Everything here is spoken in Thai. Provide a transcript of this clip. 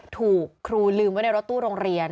ถูกครูลืมไว้ในรถตู้โรงเรียน